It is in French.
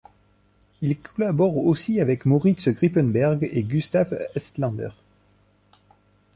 Il collabore aussi avec Mauritz Gripenberg et Gustaf Estlander.